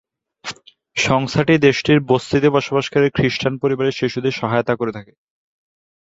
সংস্থাটি দেশটির বস্তিতে বসবাসকারী খ্রিষ্টান পরিবারের শিশুদের সহায়তা করে থাকে।